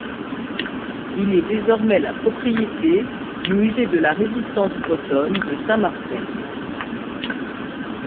Il est désormais la propriété du musée de la Résistance bretonne de Saint-Marcel.